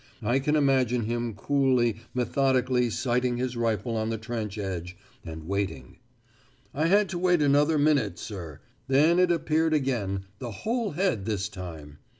I can imagine him coolly, methodically sighting his rifle on the trench edge, and waiting. "I had to wait another minute, sir; then it appeared again, the whole head this time.